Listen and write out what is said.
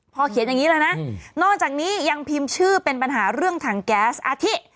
พอเขียนอย่างนี้แล้วนะนอกจากนี้ยังพิมพ์ชื่อเป็นปัญหาเรื่องถังแก๊สอาทิ